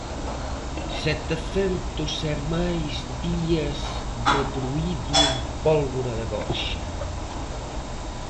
Setecentos e máis días de bruído en pólvora de gorxa.